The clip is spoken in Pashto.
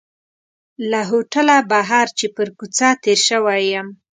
له هوټله بهر چې پر کوڅه تېر شوی یم.